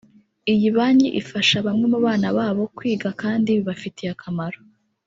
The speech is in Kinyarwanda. iyi banki ifasha bamwe mu bana babo kwiga kandi bibafitiye akamaro